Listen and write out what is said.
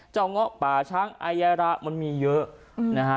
เจ้าง๊ะป่าช้างอายระมันมีเยอะ